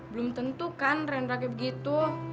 belum tentu kan rendra kayak begitu